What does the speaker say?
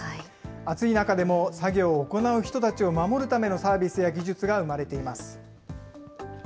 暑い中でも作業を行う人たちを守るためのサービスや技術が生まれています。